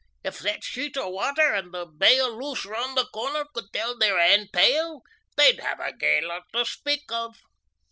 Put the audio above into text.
If that sheet o' water and the Bay o' Luce round the corner could tell their ain tale they'd have a gey lot to speak of.